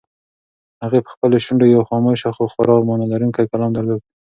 هغې په خپلو شونډو یو خاموش خو خورا مانا لرونکی کلام درلود.